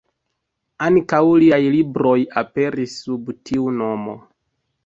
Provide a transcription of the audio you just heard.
Ankaŭ liaj libroj aperis sub tiu nomo.